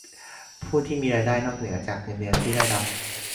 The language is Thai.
ผู้ที่มีรายได้นอกเหนือจากเงินเดือนที่ได้รับ